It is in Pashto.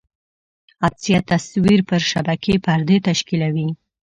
عدسیه تصویر پر شبکیې پردې تشکیولوي.